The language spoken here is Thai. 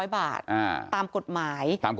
๐บาทตามกฎหมาย